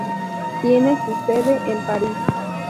Tiene su sede en París.